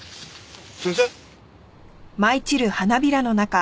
先生？